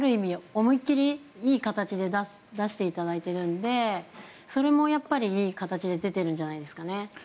思い切りいい形で出していただいているのでそれもいい形で出てるんじゃないですかね。